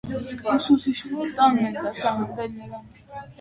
Ուսուցիչները տանն են դասավանդել նրան։